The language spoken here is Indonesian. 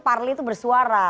parli itu bersuara